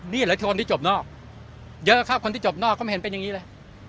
นี่เลยคนที่จบนอกเยอะครับคนที่จบนอกก็ไม่เห็นเป็นอย่างนี้เลย